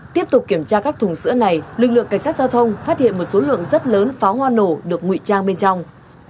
tiếp tục kiểm tra các thùng sữa này lực lượng cảnh sát giao thông phát hiện một số lượng rất lớn pháo hoa nổ được nguy trang bên trong